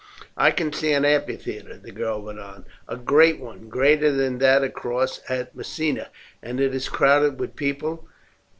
"I can see an amphitheatre," the girl went on, "a great one, greater than that across at Messina, and it is crowded with people.